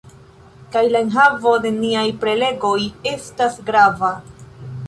Kaj la enhavo de niaj prelegoj estas grava